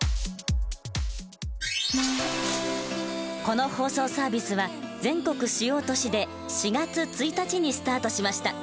この放送サービスは全国主要都市で４月１日にスタートしました。